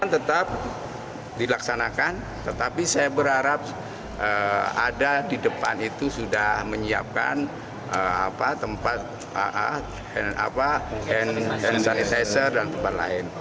tetap dilaksanakan tetapi saya berharap ada di depan itu sudah menyiapkan tempat hand sanitizer dan tempat lain